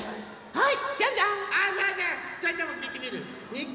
はい。